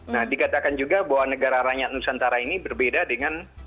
nah dikatakan juga bahwa negara rakyat nusantara ini berbeda dengan